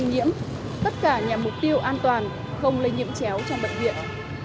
dẫn tất cả nhà mục tiêu an toàn không lây nhiễm chéo trong bệnh viện